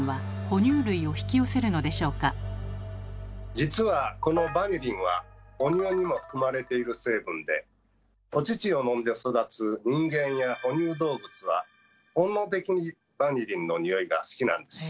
実はこのバニリンは母乳にも含まれている成分でお乳を飲んで育つ人間や哺乳動物は本能的にバニリンのにおいが好きなんです。